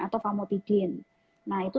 atau famotidin nah itu